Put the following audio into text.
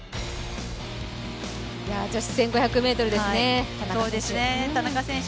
女子１５００ｍですね、田中選手。